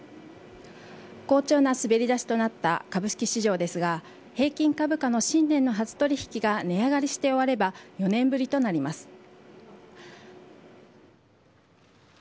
好調な滑り出しとなった株式市場ですが、平均株価の新年の初取り引きが値上がりして終われば４年ぶりとなります。